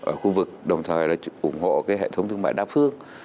ở khu vực đồng thời ủng hộ hệ thống thương mại đa phương